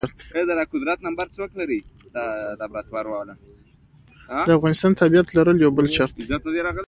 د افغانستان تابعیت لرل یو بل شرط دی.